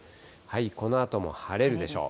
このあとも晴れるでしょう。